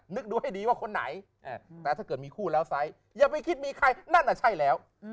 นึกดูให้ดีว่าคนไหนแต่ถ้าเกิดมีคู่แล้วไซส์อย่าไปคิดมีใครนั่นน่ะใช่แล้ว